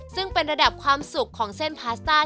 ซึ่งเป็นระดับความสุขของเส้นพาสต้า